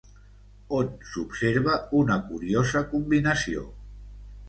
On s'observa una curiosa combinació?